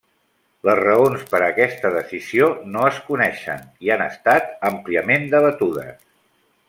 Les raons per a aquesta decisió no es coneixen, i han estat àmpliament debatudes.